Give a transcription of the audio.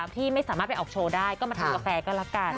ที่ไม่สามารถไปออกโชว์ได้ก็มาทำกาแฟก็ละกัน